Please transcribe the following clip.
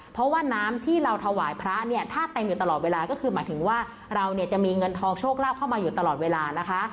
เพราะว่าน้ำที่เราถวายพระเนี่ยถ้าเต็มอยู่ตลอดเวลาก็คือหมายถึงว่าเราเนี่ยจะมีเงินทองโชคลาภเข้ามาอยู่ตลอดเวลานะคะ